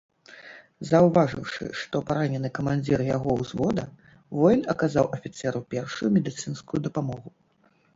Заўважыўшы, што паранены камандзір яго ўзвода, воін аказаў афіцэру першую медыцынскую дапамогу.